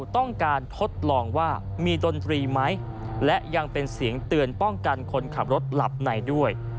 ต้องการทดลองว่ามีดนตรีไหมและยังเป็นเสียงเตือนป้องกันคนขับรถหลับในด้วย